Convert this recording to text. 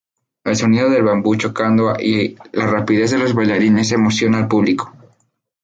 El sonido del bambú chocando y la rapidez de los bailarines emociona al público.